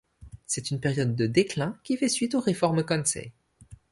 C'est une période de déclin, qui fait suite aux réformes Kansei.